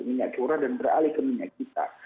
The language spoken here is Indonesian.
minyak curah dan beralih ke minyak kita